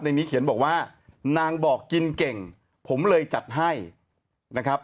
ในนี้เขียนบอกว่านางบอกกินเก่งผมเลยจัดให้นะครับ